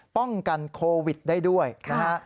ป้องกันโควิดได้ด้วยนะฮะ